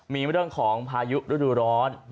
มีเรื่องของพายุฤดูร้อน